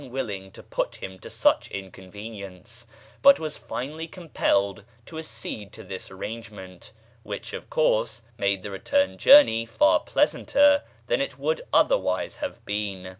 [page xlii] willing to put him to such inconvenience, but was finally compelled to accede to this arrangement, which, of course, made the return journey far pleasanter than it would otherwise have been.